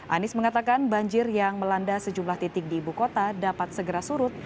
anies mengatakan banjir yang melanda sejumlah titik di ibu kota dapat segera surut